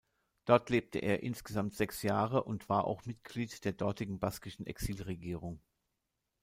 Dort lebte er insgesamt sechs Jahre und war auch Mitglied der dortigen baskischen Exilregierung.